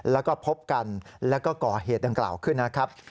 แล้วก็พบกันแล้วก็ก่อเหตุดังกล่าวขึ้นนะครับ